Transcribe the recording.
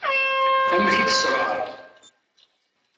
Amek i tesɣar.